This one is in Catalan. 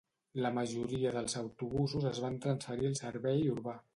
La majoria dels autobusos es van transferir al servei urbà.